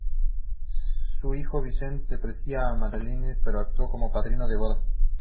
Su hijo Vincent despreciaba a Madeleine, pero actuó como padrino en la boda.